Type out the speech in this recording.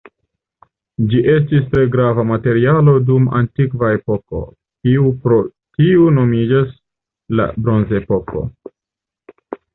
Ĝi estis tre grava materialo dum antikva epoko, kiu pro tiu nomiĝas la bronzepoko.